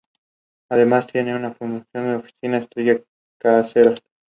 Éstos y otros temas similares se tratan en este primer debate.